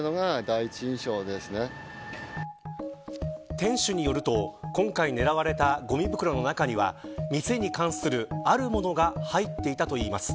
店主によると今回狙われたごみ袋の中には店に関する、あるものが入っていたといいます。